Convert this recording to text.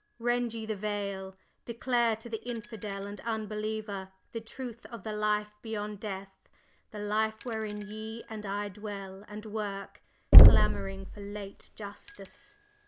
"Rend ye the veil! Declare to the infidel and unbeliever the truth of the life beyond death; the life wherein ye and I dwell and work, clamoring for late justice!"